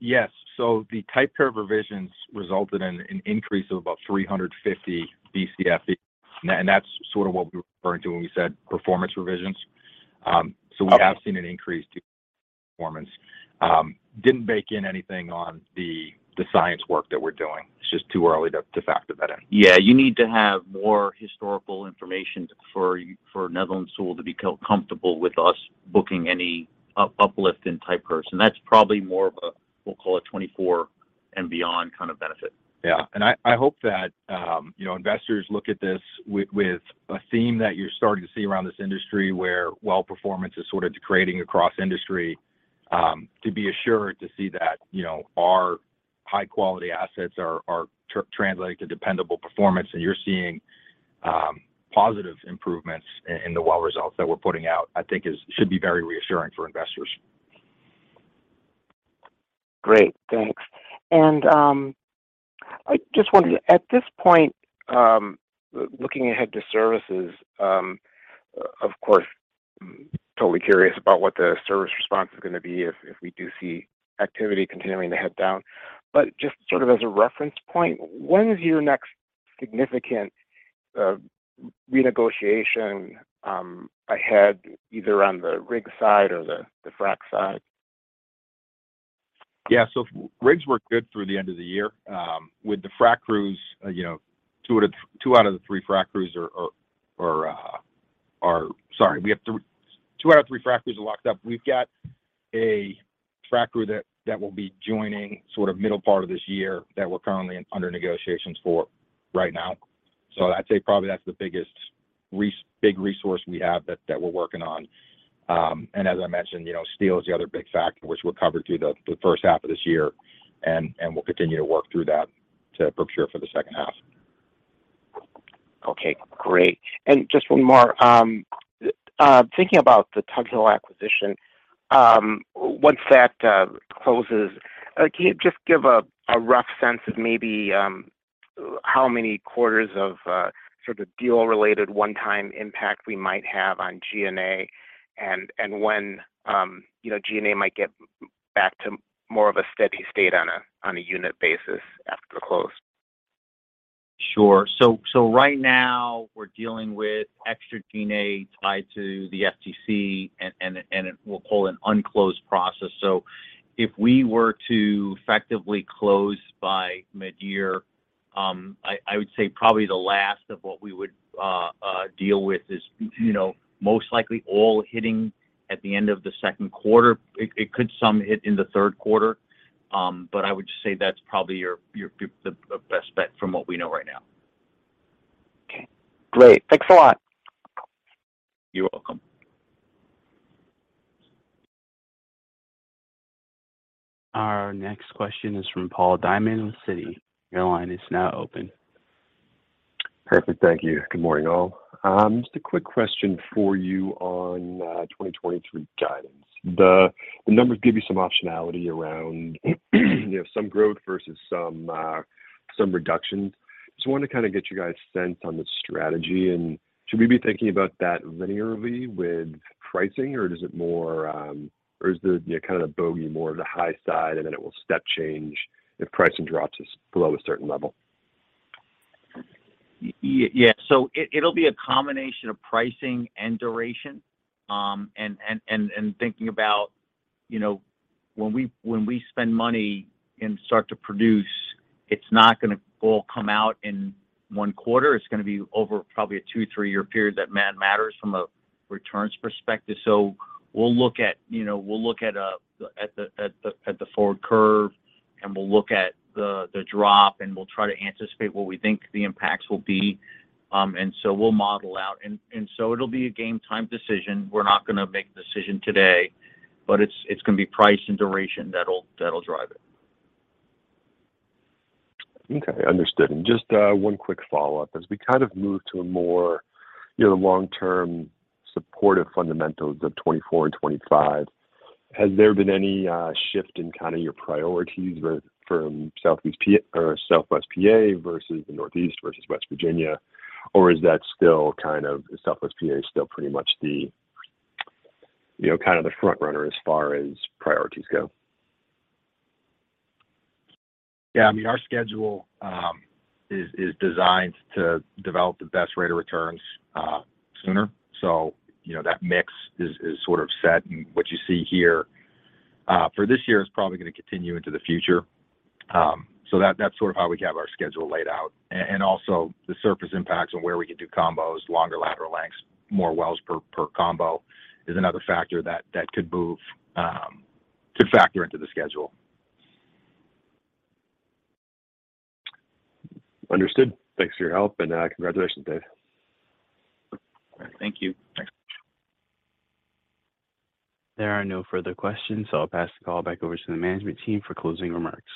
Yes. The type curve revisions resulted in an increase of about 350 Bcfe. That's sort of what we were referring to when we said performance revisions. We have seen an increase to performance. Didn't bake in anything on the science work that we're doing. It's just too early to factor that in. Yeah, you need to have more historical information for Netherland, Sewell to be comfortable with us booking any uplift in type curves. That's probably more of a, we'll call it 2024 and beyond kind of benefit. Yeah. I hope that, you know, investors look at this with a theme that you're starting to see around this industry where well performance is sort of degrading across industry, to be assured to see that, you know, our high-quality assets are translating to dependable performance. You're seeing positive improvements in the well results that we're putting out, I think should be very reassuring for investors. Great. Thanks. I just wondered, at this point, looking ahead to services, of course, totally curious about what the service response is gonna be if we do see activity continuing to head down. Just sort of as a reference point, when is your next significant renegotiation ahead either on the rig side or the frack side? Yeah. rigs work good through the end of the year. With the frack crews, you know, Sorry, we have two out of three frack crews are locked up. We've got a frack crew that will be joining sort of middle part of this year that we're currently under negotiations for right now. I'd say probably that's the biggest big resource we have that we're working on. As I mentioned, you know, steel is the other big factor which we're covered through the first half of this year, and we'll continue to work through that to procure for the second half. Okay. Great. Just one more. Thinking about the Tug Hill acquisition, once that closes, can you just give a rough sense of maybe how many quarters of sort of deal-related one-time impact we might have on G&A and when, you know, G&A might get back to more of a steady state on a unit basis after the close? Sure. Right now we're dealing with extra G&A tied to the FTC and we'll call an unclosed process. If we were to effectively close by mid-year, I would say probably the last of what we would deal with is, you know, most likely all hitting at the end of the second quarter. It could some hit in the third quarter. I would just say that's probably your, the best bet from what we know right now. Okay, great. Thanks a lot. You're welcome. Our next question is from Paul Diamond with Citi. Your line is now open. Perfect. Thank you. Good morning, all. Just a quick question for you on 2023 guidance. The numbers give you some optionality around, you know, some growth versus some reductions. Just wanted to kinda get you guys' sense on the strategy. Should we be thinking about that linearly with pricing, or is it more? Is the, you know, kind of the bogey more the high side, and then it will step change if pricing drops below a certain level? Yes. It'll be a combination of pricing and duration, and thinking about, you know, when we spend money and start to produce, it's not gonna all come out in one quarter. It's gonna be over probably a two, three-year period that mad matters from a returns perspective. We'll look at, you know, we'll look at the forward curve, and we'll look at the drop, and we'll try to anticipate what we think the impacts will be. We'll model out. It'll be a game time decision. We're not gonna make the decision today, but it's gonna be price and duration that'll drive it. Okay. Understood. Just, one quick follow-up. As we kind of move to a more, you know, long-term supportive fundamentals of 2024 and 2025, has there been any shift in kind of your priorities with from Southwest PA versus the Northeast versus West Virginia? Is Southwest PA still pretty much the, you know, kind of the front runner as far as priorities go? Yeah. I mean, our schedule is designed to develop the best rate of returns sooner. You know, that mix is sort of set. What you see here for this year is probably gonna continue into the future. That's sort of how we have our schedule laid out. Also the surface impacts on where we can do combos, longer lateral lengths, more wells per combo is another factor that could move, could factor into the schedule. Understood. Thanks for your help, and congratulations, Dave. All right. Thank you. Thanks. There are no further questions. I'll pass the call back over to the management team for closing remarks.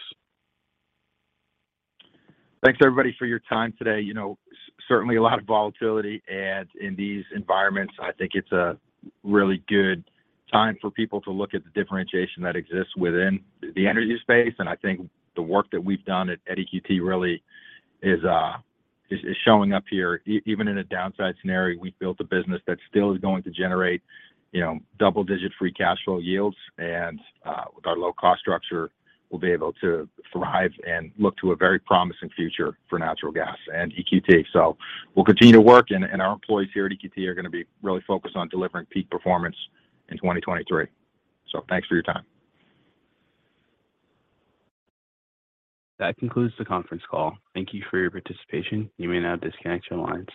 Thanks everybody for your time today. You know, certainly a lot of volatility. In these environments, I think it's a really good time for people to look at the differentiation that exists within the energy space. I think the work that we've done at EQT really is showing up here. Even in a downside scenario, we've built a business that still is going to generate, you know, double-digit free cash flow yields. With our low cost structure, we'll be able to thrive and look to a very promising future for natural gas and EQT. We'll continue to work, and our employees here at EQT are gonna be really focused on delivering peak performance in 2023. Thanks for your time. That concludes the conference call. Thank you for your participation. You may now disconnect your lines.